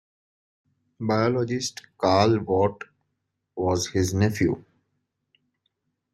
Biologist Karl Vogt was his nephew.